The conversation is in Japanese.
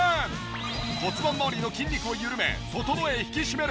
骨盤まわりの筋肉を緩め整え引き締める。